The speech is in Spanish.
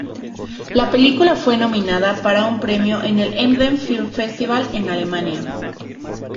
La película fue nominada para un premio en el Emden Film Festival, en Alemania.